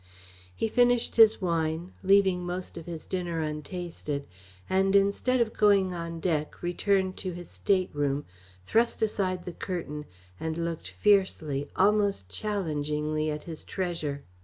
He finished his wine, leaving most of his dinner untasted, and, instead of going on deck, returned to his stateroom, thrust aside the curtain, and looked fiercely, almost challengingly, at his treasure.